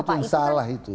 itu salah itu